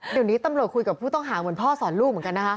เดี๋ยวนี้ตำรวจคุยกับผู้ต้องหาเหมือนพ่อสอนลูกเหมือนกันนะคะ